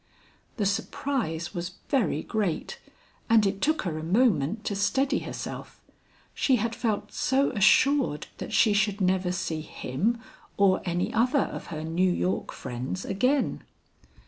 The surprise was very great and it took her a moment to steady herself. She had felt so assured that she should never see him or any other of her New York friends again.